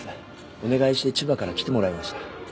お願いして千葉から来てもらいました。